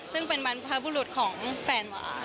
ซึ่งเป็นบรรพบุรุษของแฟนวา